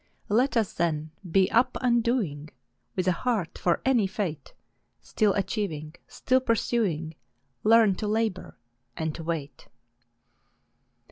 Let us, then, be up and doing, With a heart for any fate ; Still achieving, still pursuing, Learn to labor and to wait.